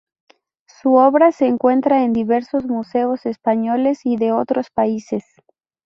Su obra se encuentra en diversos museos españoles y de otros países.